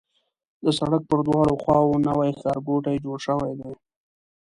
د سړک پر دواړو خواوو نوي ښارګوټي جوړ شوي دي.